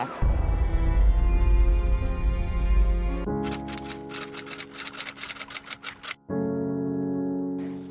เขียนบทสุนทรพจน์